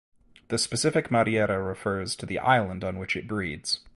The specific "madeira" refers to the island on which it breeds.